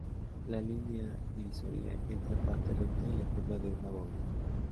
La línea divisoria entra parte recta y la curva de una bóveda.